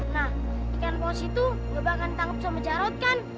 nah ikan paus itu ga bakal ditangkep sama jarod kan